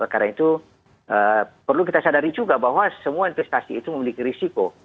karena itu perlu kita sadari juga bahwa semua investasi itu memiliki risiko